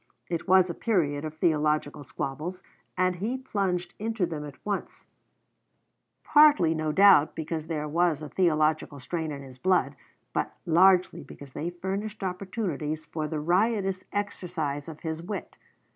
It was a period of theological squabbles, and he plunged into them at once, partly no doubt because there was a theological strain in his blood, but largely because they furnished opportunities for the riotous exercise of his wit.